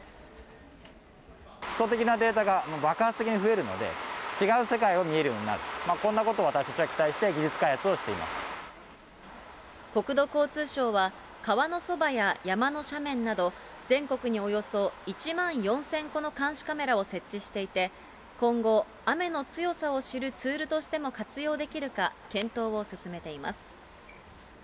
基本的なデータが爆発的に増えるので、違う世界が見えるようになる、こんなことを私たちは期待して、技国土交通省は、川のそばや山の斜面など、全国におよそ１万４０００個の監視カメラを設置していて、今後、雨の強さを知るツールとしても活用できるか、検討を進めています。